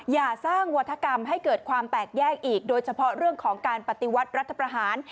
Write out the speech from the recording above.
อย่าสร้างวัฒกรรมให้เกิดความแตกแยกอีกโดยเฉพาะเรื่องของการปฏิวัติรัฐประหาร